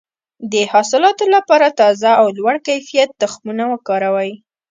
د حاصلاتو لپاره تازه او لوړ کیفیت تخمونه وکاروئ.